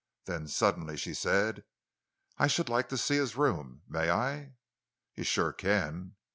Then suddenly she said: "I should like to see his room—may I?" "You sure can!"